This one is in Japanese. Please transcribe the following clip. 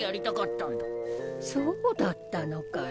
そうだったのかい。